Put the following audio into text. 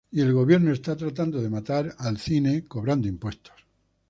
Y el gobierno está tratando de matar al cine cobrando impuestos.